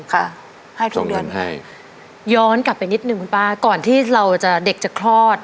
ค่ะให้ทุกเดือนให้ย้อนกลับไปนิดหนึ่งคุณป้าก่อนที่เราจะเด็กจะคลอด